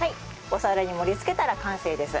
お皿に盛り付けたら完成です。